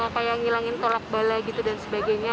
kayak ngilangin kolak balai gitu dan sebagainya